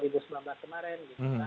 dua ribu sembilan belas kemarin gitu kan